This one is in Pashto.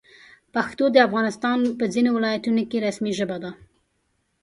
پښتو د افغانستان په ځینو ولایتونو کې رسمي ژبه ده.